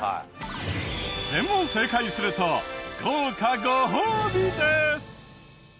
全問正解すると豪華ご褒美です！